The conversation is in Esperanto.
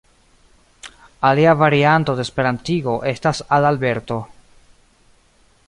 Alia varianto de esperantigo estas "Adalberto".